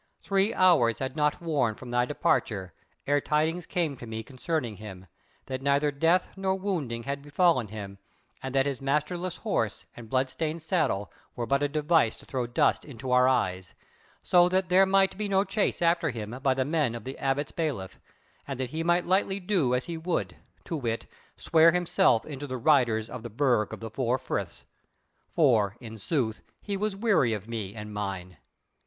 Three hours had not worn from thy departure ere tidings came to me concerning him, that neither death nor wounding had befallen him; and that his masterless horse and bloodstained saddle were but a device to throw dust into our eyes, so that there might be no chase after him by the men of the Abbot's bailiff, and that he might lightly do as he would, to wit, swear himself into the riders of the Burg of the Four Friths; for, in sooth, he was weary of me and mine.